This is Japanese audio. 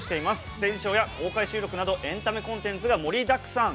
ステージショーや公開収録などエンタメコンテンツが盛りだくさん。